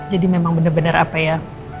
memang benar benar apa ya